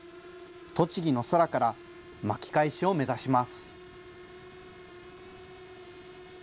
栃木の空から巻き返しを目指します。